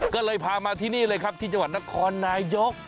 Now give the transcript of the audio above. ก็เลยพามาที่นี่เลยครับที่จังหวัดนครนายก